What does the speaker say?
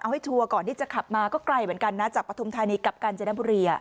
ให้ชัวร์ก่อนที่จะขับมาก็ไกลเหมือนกันนะจากปฐุมธานีกับกาญจนบุรี